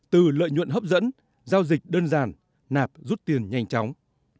từ lợi nhuận hấp dẫn giao dịch đơn giản nạp rút tiền nhanh chóng